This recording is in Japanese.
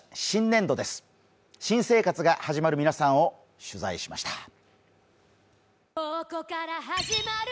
新生活が始まる皆さんを取材しました。